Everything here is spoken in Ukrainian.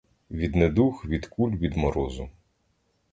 Від недуг, від куль, від морозу.